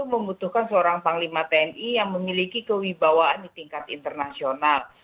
membutuhkan seorang panglima tni yang memiliki kewibawaan di tingkat internasional